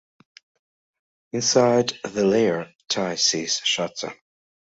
Inside the lair, Ty sees Shazza.